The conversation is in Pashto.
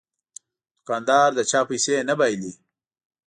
دوکاندار د چا پیسې نه بایلي.